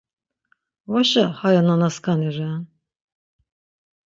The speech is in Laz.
Vaşa haya nanaskani ren!